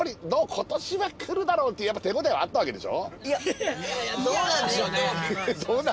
今年は来るだろうっていう手応えはあったわけでしょ？